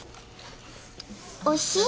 おいしい？